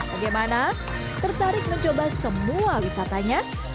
bagaimana tertarik mencoba semua wisatanya